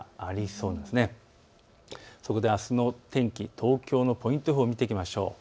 そこであすの天気、東京のポイント予報を見ていきましょう。